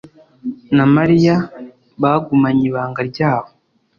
na Mariya bagumanye ibanga ryabo.